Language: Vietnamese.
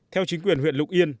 theo chính quyền huyện lục yên